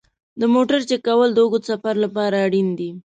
د موټر چک کول د اوږده سفر لپاره اړین دي.